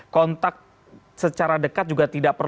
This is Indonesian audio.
kontak secara dekat juga tidak perlu